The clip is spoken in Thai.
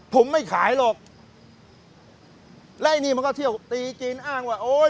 ผมไม่ขายหรอกแล้วไอ้นี่มันก็เที่ยวตีจีนอ้างว่าโอ้ย